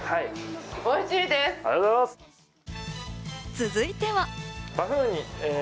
続いては。